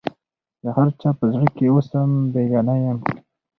د هر چا په زړه کي اوسم بېګانه یم